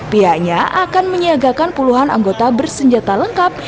pihaknya akan menyiagakan puluhan anggota bersenjata lengkap